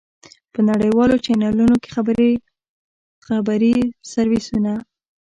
په نړیوالو چېنلونو کې خبري سرویسونه.